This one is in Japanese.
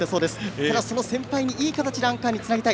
ただ、その先輩にいい形でアンカーにつなげたい。